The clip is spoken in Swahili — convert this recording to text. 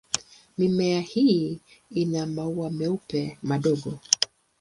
Mimea hii ina maua meupe madogo.